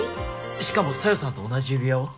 しかも紗世さんと同じ指輪を？